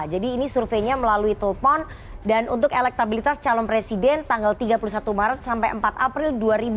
jadi ini surveinya melalui telpon dan untuk elektabilitas calon presiden tanggal tiga puluh satu maret sampai empat april dua ribu dua puluh tiga